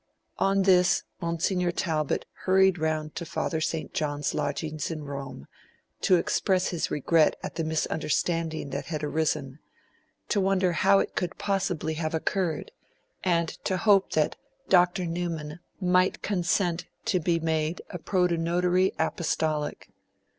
On this, Monsignor Talbot hurried to Father St. John's lodgings in Rome to express his regret at the misunderstanding that had arisen, to wonder how it could possibly have occurred, and to hope that Dr. Newman might consent to be made a Protonotary Apostolic.